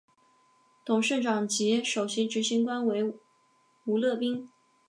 董事长及首席执行官为吴乐斌。